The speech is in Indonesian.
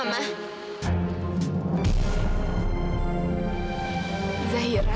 kamu udah pulang zahira